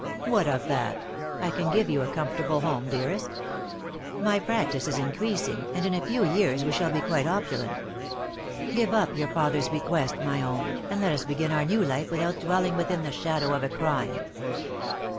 "What of that? I can give you a comfortable home, dearest. My practice is increasing, and in a few years we shall be quite opulent. Give up your father's bequest, my own, and let us begin our new life without dwelling within the shadow of a crime."